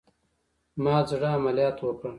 ما د زړه عملیات وکړه